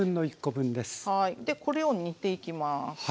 でこれを煮ていきます。